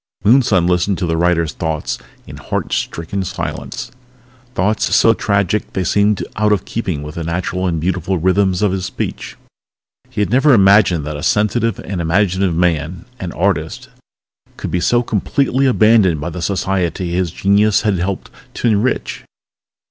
Moonson listened to the writer's thoughts in heart stricken silence thoughts so tragic they seemed out of keeping with the natural and beautiful rhythms of his speech. He had never imagined that a sensitive and imaginative man an artist could be so completely abandoned by the society his genius had helped to enrich.